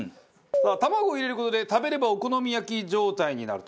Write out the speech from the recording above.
卵を入れる事で食べればお好み焼き状態になると。